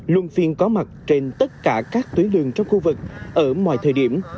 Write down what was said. luôn phiên có mặt trên tất cả các tuyến lương trong khu vực ở mọi thời điểm